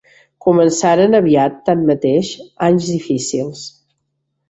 Començaren aviat, tanmateix, anys difícils.